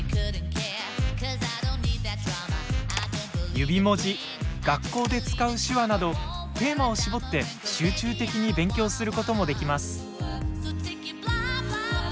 指文字学校で使う手話などテーマを絞って集中的に勉強することもできます。